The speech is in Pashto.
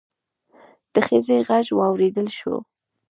د ښځې غږ واوريدل شو.